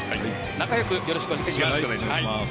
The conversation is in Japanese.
仲良くよろしくお願いします。